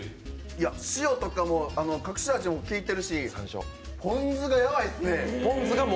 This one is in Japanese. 塩とかも隠し味もきいてるしポン酢がやばいっすね。